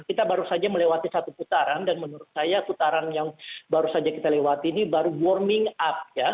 kita baru saja melewati satu putaran dan menurut saya putaran yang baru saja kita lewati ini baru warming up ya